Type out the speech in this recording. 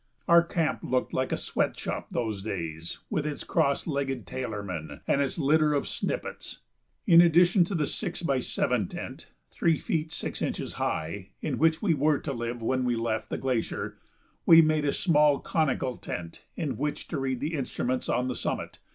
Our camp looked like a sweat shop those days, with its cross legged tailormen and its litter of snippets. In addition to the six by seven tent, three feet six inches high, in which we were to live when we left the glacier, we made a small, conical tent in which to read the instruments on the summit.